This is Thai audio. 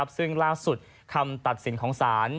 ซึ่งล่าสุดคำตัดสินของศาล